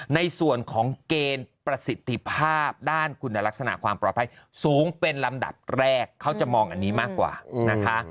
ในส่วนของเกณฑ์ประสิทธิภาพด้านคุณลักษณะความปลอดภัยสูงเป็นลำดับแรกเขาจะมองอันนี้มากกว่านะคะ